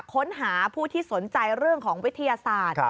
ค้นหาผู้ที่สนใจเรื่องของวิทยาศาสตร์